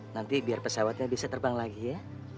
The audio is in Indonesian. nanti biar pesawatnya bisa terbang lagi ya